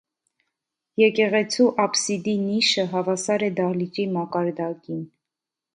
Եկեղեցու աբսիդի նիշը հավասար է դահլիճի մակարդակին։